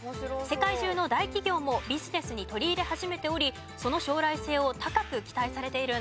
世界中の大企業もビジネスに取り入れ始めておりその将来性を高く期待されているんです。